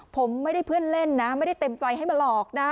ผมไม่ได้เพื่อนเล่นนะไม่ได้เต็มใจให้มาหลอกนะ